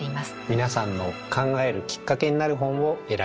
皆さんの考えるきっかけになる本を選びます。